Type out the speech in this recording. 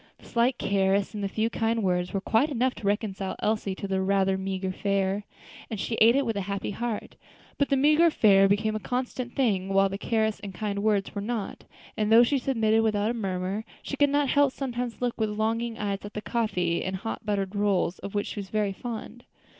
The slight caress and the few kind words were quite enough to reconcile Elsie to the rather meagre fare, and she ate it with a happy heart. But the meagre fare became a constant thing, while the caresses and kind words were not; and though she submitted without a murmur, she could not help sometimes looking with longing eyes at the coffee and hot buttered rolls, of which she was very fond.